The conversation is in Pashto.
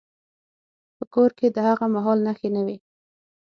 په کور کې د هغه مهال نښې نه وې.